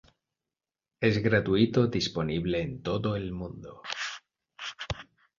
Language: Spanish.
Es gratuito disponible en todo el mundo.